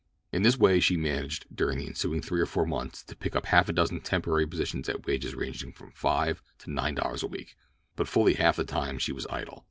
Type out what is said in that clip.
In this way she managed, during the ensuing three or four months to pick up half a dozen temporary positions at wages ranging from five to nine dollars a week, but fully half the time she was idle.